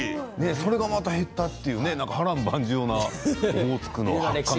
それがまた、減ったって波乱万丈のオホーツクの話。